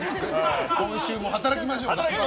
今週も働きましょう。